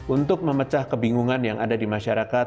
untuk memecah kebingungan yang ada di masyarakat